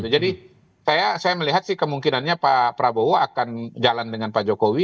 jadi saya melihat sih kemungkinannya pak prabowo akan jalan dengan pak jokowi